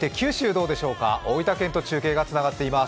どうでしょうか、大分県と中継がつながっています。